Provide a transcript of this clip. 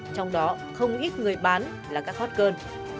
trong đó không ít người bán là các hot girl